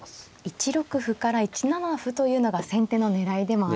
１六歩から１七歩というのが先手の狙いでもあると。